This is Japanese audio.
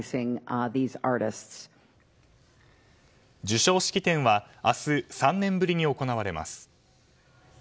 授賞式典は明日３年ぶりに行われます。